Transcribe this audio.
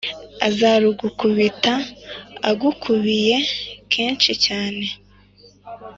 azarugukubita agukubiye kenshi cyane